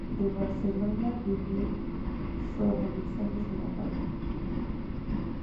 The Barcelona Review sobre "Mensajes en la pared".